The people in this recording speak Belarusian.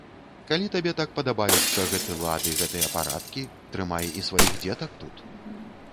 Калі табе так падабаюцца гэты лад і гэтыя парадкі, трымай і сваіх дзетак тут.